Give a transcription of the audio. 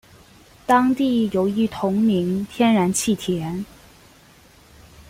当地有一同名天然气田。